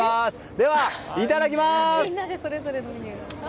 では、いただきます！